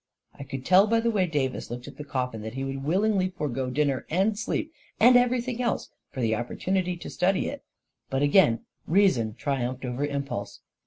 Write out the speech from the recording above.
I could tell by the way Davis looked at the coffin that he would willingly forego dinner and sleep and everything else for the opportunity to study it; but again reason triumphed over impulse.